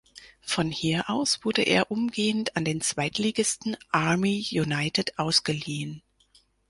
Von hieraus wurde er umgehend an den Zweitligisten Army United ausgeliehen.